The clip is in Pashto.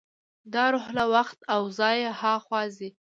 دا روح له وخت او ځای هاخوا ځي.